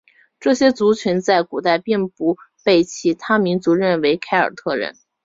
这些族群在古代并不被其他民族认为是凯尔特人。